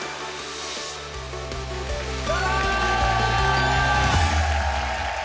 どうも！